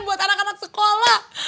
buat anak anak sekolah